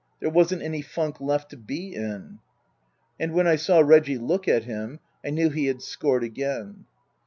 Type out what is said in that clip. There wasn't any funk left to be in." And when I saw Reggie look at him I knew he had scored again.